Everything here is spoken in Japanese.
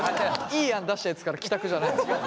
いい案出したやつから帰宅じゃないんですよ。